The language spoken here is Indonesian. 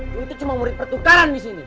lo itu cuma murid pertukaran di sini